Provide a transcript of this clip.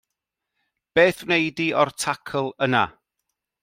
Beth wnei di o'r tacl yna?